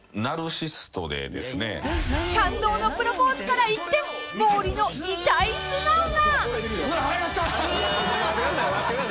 ［感動のプロポーズから一転毛利の痛い素顔が］